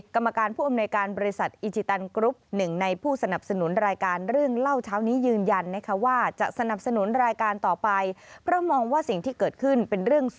กรรมการผู้อำนวยการบริษัทอิจิตันกรุ๊ป